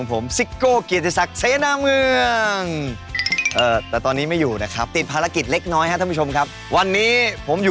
เพื่อคนไทย